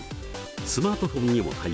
スマートフォンにも対応。